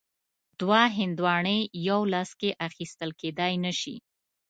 دوه هندواڼې یو لاس کې اخیستل کیدای نه شي.